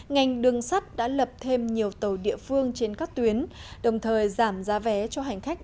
ngành đường sắt đã lập thêm nhiều tàu địa phương trên các tuyến đồng thời giảm giá vé cho hành khách